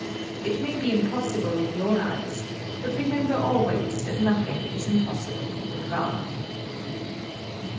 It may be impossible in your eyes: but remember always that nothing is impossible with God.